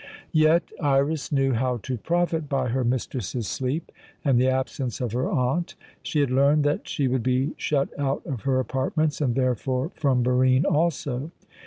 Yet Iras knew how to profit by her mistress's sleep and the absence of her aunt. She had learned that she would be shut out of her apartments, and therefore from Barine also.